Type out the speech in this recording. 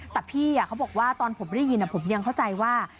แต่พี่เขาบอกว่าตอนผมได้ยินผมยังเข้าใจว่า